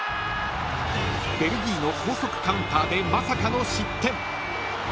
［ベルギーの高速カウンターでまさかの失点］